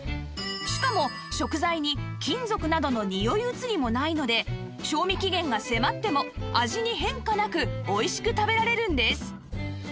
しかも食材に金属などのにおい移りもないので賞味期限が迫っても味に変化なくおいしく食べられるんです